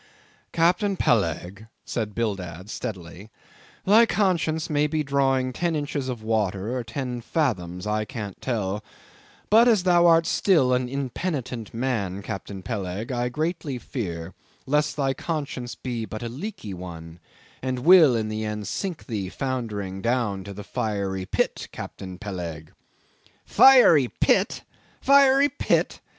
"Captain Peleg," said Bildad steadily, "thy conscience may be drawing ten inches of water, or ten fathoms, I can't tell; but as thou art still an impenitent man, Captain Peleg, I greatly fear lest thy conscience be but a leaky one; and will in the end sink thee foundering down to the fiery pit, Captain Peleg." "Fiery pit! fiery pit!